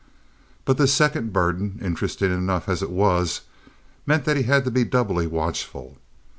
But this second burden, interesting enough as it was, meant that he had to be doubly watchful.